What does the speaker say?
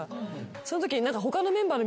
そのとき。